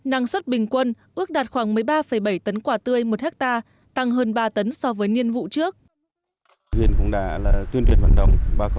năng suất bình quân ước đạt khoảng một mươi ba bảy tấn quả tươi một hectare tăng hơn ba tấn so với niên vụ trước